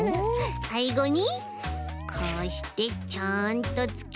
さいごにこうしてちょんとつければ。